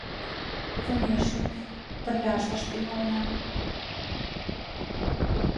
Конешне, пырля ышташ тӱҥалына..